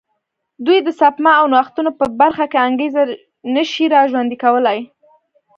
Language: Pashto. دوی د سپما او نوښتونو په برخه کې انګېزه نه شي را ژوندی کولای.